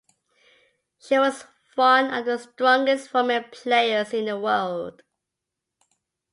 She was one of the strongest women players in the world.